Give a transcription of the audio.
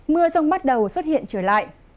mưa rông bắt đầu xuất hiện trở lại